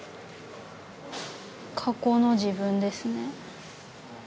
過去の自分ですね。